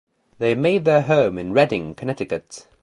They made their home in Redding, Connecticut.